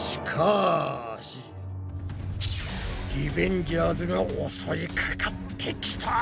リベンジャーズが襲いかかってきた！